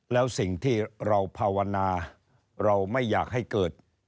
แล้วสิ่งที่เราภาวนาเราไม่อยากให้เกิด